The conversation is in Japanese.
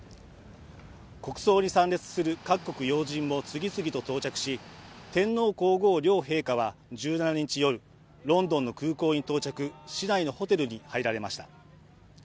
国葬に参列する各国要人も次々と到着し、天皇・皇后両陛下は１７日夜、ロンドンの空港に到着、市内のホテルに入られました。